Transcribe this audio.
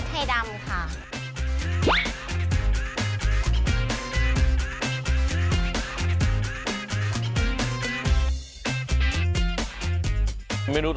ไม่รอชาติเดี๋ยวเราลงไปพิสูจน์ความอร่อยกันครับ